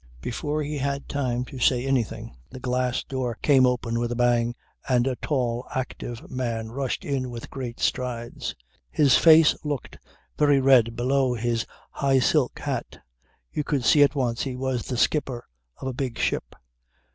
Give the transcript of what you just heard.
Before he had time to say anything the glass door came open with a bang and a tall, active man rushed in with great strides. His face looked very red below his high silk hat. You could see at once he was the skipper of a big ship.